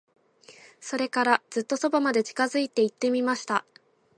それから、ずっと側まで近づいて行ってみました。